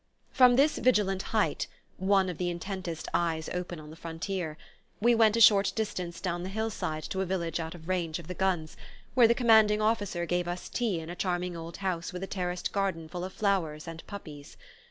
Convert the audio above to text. From this vigilant height one of the intentest eyes open on the frontier we went a short distance down the hillside to a village out of range of the guns, where the commanding officer gave us tea in a charming old house with a terraced garden full of flowers and puppies.